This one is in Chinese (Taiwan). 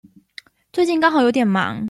最近剛好有點忙